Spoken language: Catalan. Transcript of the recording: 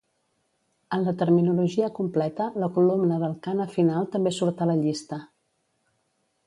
En la terminologia completa, la columna del kana final també surt a la llista.